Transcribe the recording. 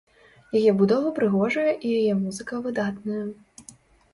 Яе будова прыгожая і яе музыка выдатная.